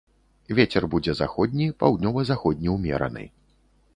Вецер будзе заходні, паўднёва-заходні ўмераны.